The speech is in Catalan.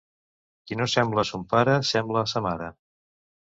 Qui no sembla a son pare, sembla a sa mare.